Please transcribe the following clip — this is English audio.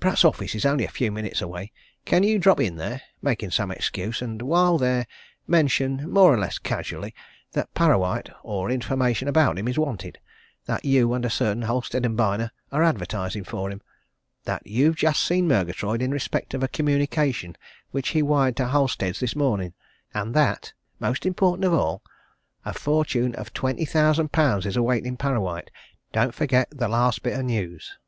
Pratt's office is only a few minutes away. Can you drop in there, making some excuse, and while there, mention, more or less casually, that Parrawhite, or information about him, is wanted; that you and a certain Halstead & Byner are advertising for him; that you've just seen Murgatroyd in respect of a communication which he wired to Halstead's this morning, and that most important of all a fortune of twenty thousand pounds is awaiting Parrawhite! Don't forget the last bit of news."